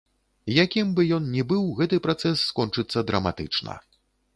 Якім бы ён ні быў, гэты працэс скончыцца драматычна.